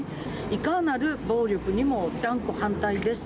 いかなる暴力にも断固反対です。